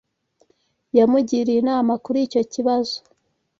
Yamugiriye inama kuri icyo kibazo.